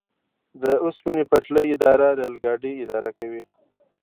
د اوسپنې پټلۍ اداره ریل ګاډي اداره کوي